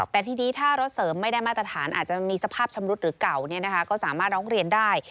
แต่ทีนี้ถ้ารถเสริมไม่ได้มาตรฐานอาจจะมีสภาพชำรุดหรือเก่าก็สามารถร้องเรียนได้